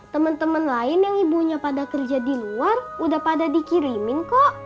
teman teman lain yang ibunya pada kerja di luar udah pada dikirimin kok